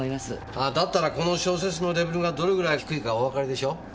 あだったらこの小説のレベルがどれぐらい低いかおわかりでしょう。